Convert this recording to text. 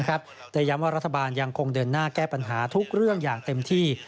ย้ำว่ารัฐบาลยังคงเดินหน้าแก้ปัญหาทุกเรื่องอย่างเต็มที่